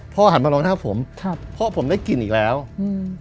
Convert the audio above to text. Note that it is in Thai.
หันมามองหน้าผมครับพ่อผมได้กลิ่นอีกแล้วอืม